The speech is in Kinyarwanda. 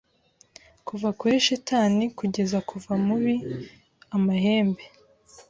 Kuva kuri shitani kugeza kuva mubi amahembe